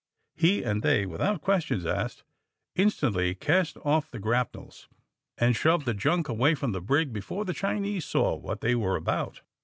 He and they, without questions asked, instantly cast off the grapnels, and shoved the junk away from the brig before the Chinese saw what they were about.